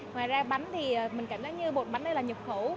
ngoài ra bánh thì mình cảm thấy như bột bánh này là nhập khẩu